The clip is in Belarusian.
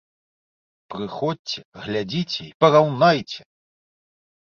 Прыходзьце, глядзіце й параўнайце!